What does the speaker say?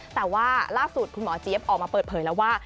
แต่ว่าล่าสุดคุณหมอเจี๊ยบออกมาเปิดเผยแล้วว่า